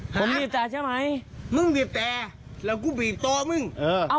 ผมบีบแต่ใช่ไหมมึงบีบแต่แล้วกูบีบตัวมึงเออ